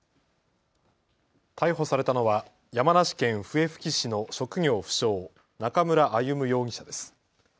逮捕されたのは山梨県笛吹市の職業不詳、中村歩武容疑者です。